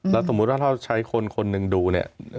แล้วสมมุติว่าถ้าใช้คนคนหนึ่งดูเนี่ย